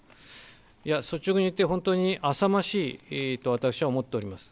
いや、率直にいって、本当にあさましいと私は思っております。